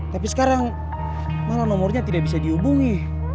tapi sekarang malah nomornya tidak bisa dihubungi